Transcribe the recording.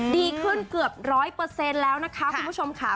ดีขึ้นเกือบร้อยเปอร์เซนต์แล้วนะคะคุณผู้ชมค่ะ